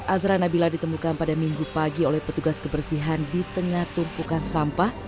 azra nabila ditemukan pada minggu pagi oleh petugas kebersihan di tengah tumpukan sampah